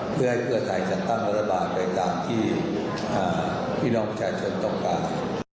เพื่อให้เพื่อไทยจัดตั้งรัฐบาลไปตามที่พี่น้องประชาชนต้องการ